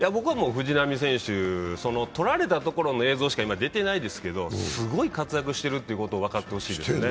藤浪選手、とられたところの映像しか出ていないですけどすごい活躍してるってことを分かってほしいですね。